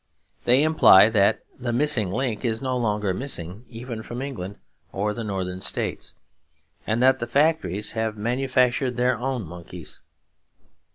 They imply that the Missing Link is no longer missing, even from England or the Northern States, and that the factories have manufactured their own monkeys.